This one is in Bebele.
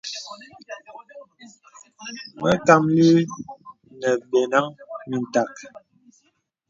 Məkàməlì nə̀ bə̀nəŋ mindàk.